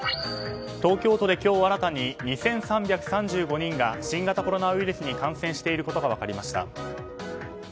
東京都で今日新たに２３３５人が新型コロナウイルスに感染していることが分かりました。